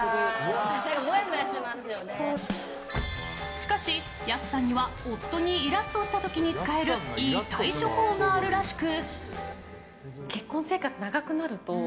しかし、安さんには夫にイラッとした時に使えるいい対処法があるらしく。